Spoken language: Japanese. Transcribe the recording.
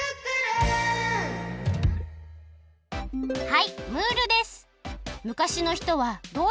はいムールです。